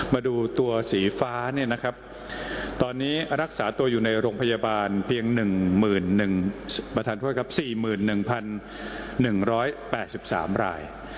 มาดูตัวสีฟ้าเนี่ยนะครับตอนนี้รักษาตัวอยู่ในโรงพยาบาลเพียง๑๑ประธานโทษครับ๔๑๑๘๓ราย